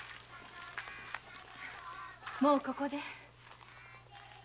もうここで。